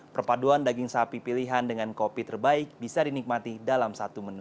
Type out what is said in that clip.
perpaduan daging sapi pilihan dengan kopi terbaik bisa dinikmati dalam satu menu